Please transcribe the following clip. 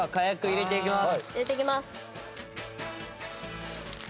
入れていきます。